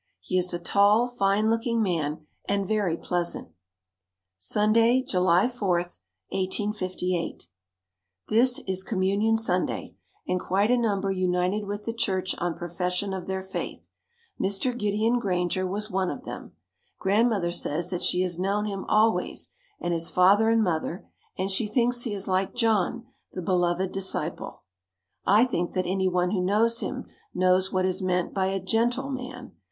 He is a tall, fine looking man and very pleasant. Sunday, July 4, 1858. This is Communion Sunday and quite a number united with the church on profession of their faith. Mr. Gideon Granger was one of them. Grandmother says that she has known him always and his father and mother, and she thinks he is like John, the beloved disciple. I think that any one who knows him, knows what is meant by a gentle man.